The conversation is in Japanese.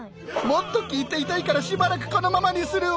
もっと聴いていたいからしばらくこのままにするわ。